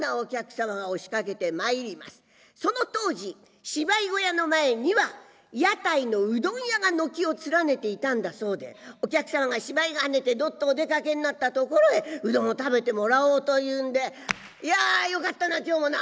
その当時芝居小屋の前には屋台のうどん屋が軒を連ねていたんだそうでお客さんが芝居がはねてどっとお出かけになったところへうどんを食べてもらおうというんで「いやよかったな今日もな。